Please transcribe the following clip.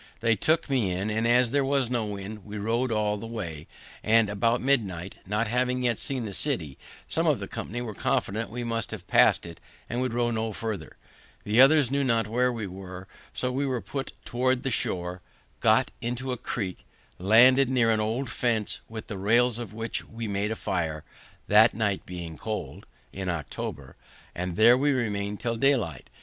They took me in, and, as there was no wind, we row'd all the way; and about midnight, not having yet seen the city, some of the company were confident we must have passed it, and would row no farther; the others knew not where we were; so we put toward the shore, got into a creek, landed near an old fence, with the rails of which we made a fire, the night being cold, in October, and there we remained till daylight.